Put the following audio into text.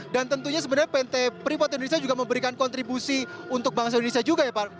dan tentunya sebenarnya pt freeport indonesia juga memberikan kontribusi untuk bangsa indonesia juga ya pak